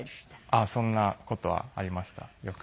あっそんな事はありましたよく。